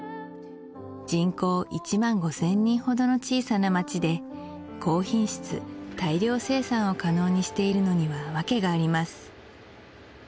人口１万５０００人ほどの小さな町で高品質大量生産を可能にしているのには訳があります